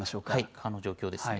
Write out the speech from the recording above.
川の状況ですね。